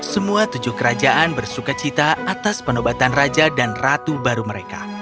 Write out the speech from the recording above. semua tujuh kerajaan bersuka cita atas penobatan raja dan ratu baru mereka